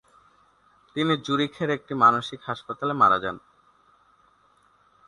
তিনি জুরিখের একটি মানসিক হাসপাতালে মারা যান।